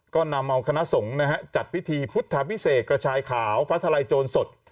ก็นำเอาคณะสงฆ์นะฮะจัดพิธีพุทธพิเศษกระชายขาวฟ้าทลายโจรสด